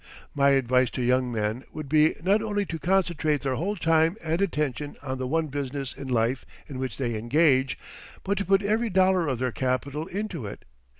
My advice to young men would be not only to concentrate their whole time and attention on the one business in life in which they engage, but to put every dollar of their capital into it.